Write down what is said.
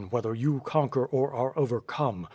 147 whether you conquer or are overcome.